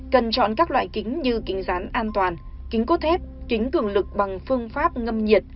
cần chọn các loại kính như kính rán an toàn kính cốt thép kính cường lực bằng phương pháp ngâm nhiệt